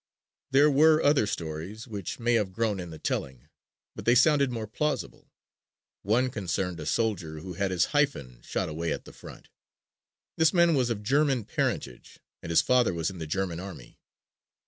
There were other stories which may have grown in the telling, but they sounded more plausible. One concerned a soldier who had his hyphen shot away at the front. This man was of German parentage and his father was in the German army.